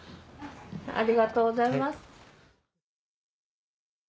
ありがとうございます。